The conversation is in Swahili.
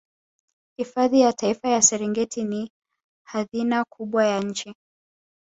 hifadhi ya taifa ya serengeti ni hadhina kubwa ya nchi